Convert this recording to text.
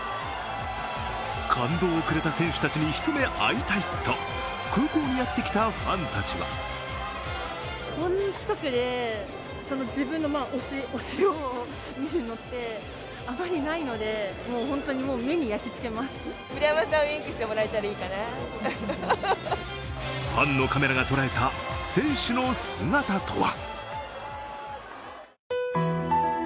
感動をくれた選手たちに一目会いたいと空港にやってきたファンたちはファンのカメラが捉えた選手の姿とは。